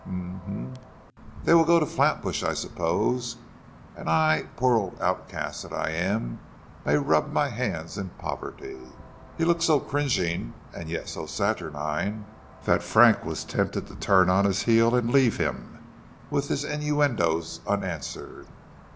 "Um, um, they will go to Flatbush, I suppose, and I poor old outcast that I am may rub my hands in poverty." He looked so cringing, and yet so saturnine, that Frank was tempted to turn on his heel and leave him with his innuendoes unanswered.